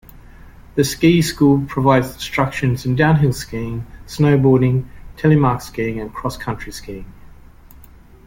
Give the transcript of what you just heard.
The ski school provides instruction in downhill skiing, snowboarding, telemark skiing and cross-country skiing.